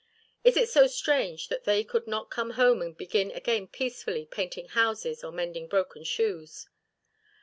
Is it so strange that they could not come home and begin again peacefully painting houses or mending broken shoes?